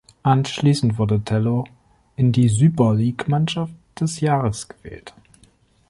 Anschließend wurde Tello in die "Süper- Lig-Mannschaft des Jahres" gewählt.